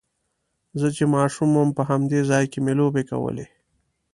زه چې ماشوم وم په همدې ځای کې مې لوبې کولې.